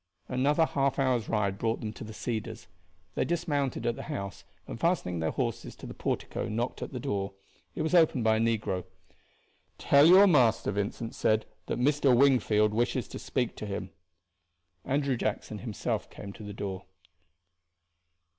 Another half hour's ride brought them to the Cedars. They dismounted at the house, and fastening their horses to the portico knocked at the door. It was opened by a negro. "Tell your master," Vincent said, "that Mr. Wingfield wishes to speak to him." Andrew Jackson himself came to the door.